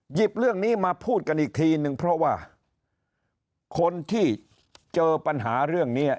เรื่องนี้มาพูดกันอีกทีนึงเพราะว่าคนที่เจอปัญหาเรื่องนี้